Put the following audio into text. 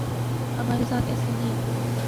ہمارے ساتھ ایسا نہیں۔